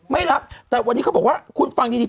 ไม่รับแต่วันนี้เขาบอกว่าคุณฟังดี